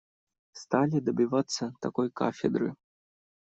Стали добиваться такой кафедры.